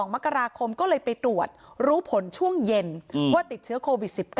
มกราคมก็เลยไปตรวจรู้ผลช่วงเย็นว่าติดเชื้อโควิด๑๙